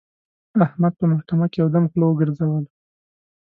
احمد په محکمه کې یو دم خوله وګرځوله.